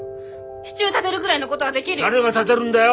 支柱立てるぐらいのごどはできるよ！